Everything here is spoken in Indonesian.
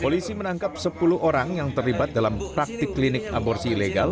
polisi menangkap sepuluh orang yang terlibat dalam praktik klinik aborsi ilegal